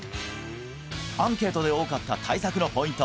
アンケートで多かった対策のポイント